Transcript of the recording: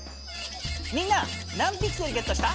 みんな何ピクセルゲットした？